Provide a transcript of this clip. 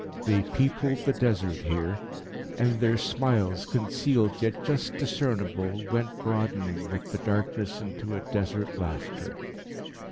They peopled the Desert here. And their smiles, concealed yet just discernible, went broadening with the darkness into a Desert laughter.